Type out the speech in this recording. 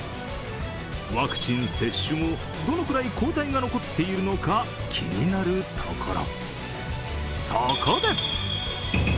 ワクチン接種後どのくらい抗体が残っているのか気になるところ。